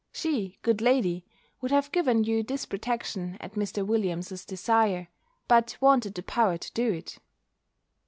She, good lady, would have given you this protection at Mr. Williams's desire; but wanted the power to do it.